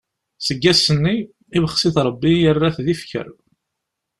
Seg wass-nni, ibxes-it Rebbi, yerra-t d ifker.